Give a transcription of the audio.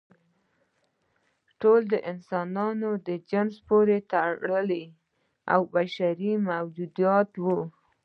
ټول د انسان جنس پورې تړلي او بشري موجودات وو.